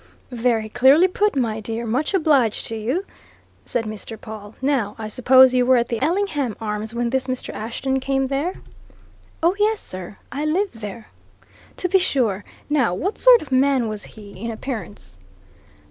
"Very clearly put, my dear much obliged to you," said Mr. Pawle. "Now, I suppose you were at the Ellingham Arms when this Mr. Ashton came there?" "Oh, yes, sir; I live there!" "To be sure! Now, what sort of man was he in appearance?"